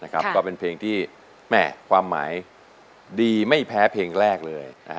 ก็เป็นเพลงที่แม่ความหมายดีไม่แพ้เพลงแรกเลย